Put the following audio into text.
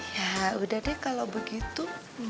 ya udah deh kalau begitu